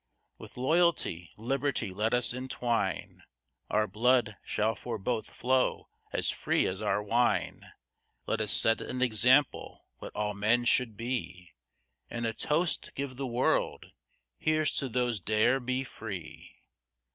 With Loyalty, Liberty let us entwine, Our blood shall for both flow as free as our wine; Let us set an example, what all men should be, And a Toast give the World, "Here's to those dare be free."